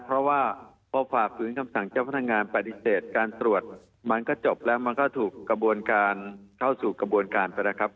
เพราะว่าพอฝ่าฝืนคำสั่งเจ้าพนักงานปฏิเสธการตรวจมันก็จบแล้วมันก็ถูกกระบวนการเข้าสู่กระบวนการไปแล้วครับ